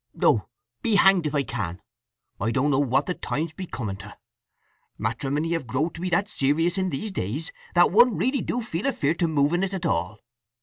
"No. Be hanged if I can… I don't know what the times be coming to! Matrimony have growed to be that serious in these days that one really do feel afeard to move in it at all.